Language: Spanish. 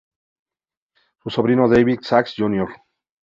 Su sobrino David Sax Jr.